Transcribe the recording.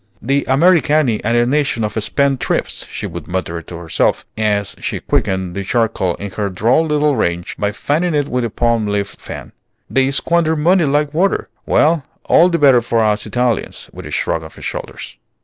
"The Americani are a nation of spend thrifts," she would mutter to herself, as she quickened the charcoal in her droll little range by fanning it with a palm leaf fan; "they squander money like water. Well, all the better for us Italians!" with a shrug of her shoulders.